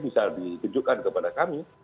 bisa ditunjukkan kepada kami